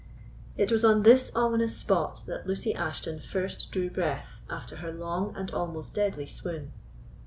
It was on this ominous spot that Lucy Ashton first drew breath after her long and almost deadly swoon.